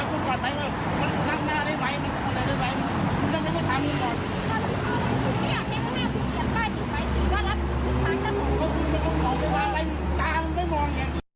นั่งหน้าเลยไว้ก็นั่งหน้าทางนึงก่อน